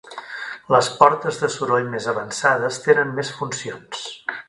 Les portes de soroll més avançades tenen més funcions.